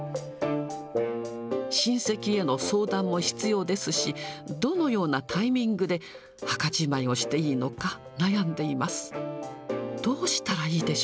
親戚への相談も必要ですし、どのようなタイミングで墓じまいをしていいのか、悩んでいます。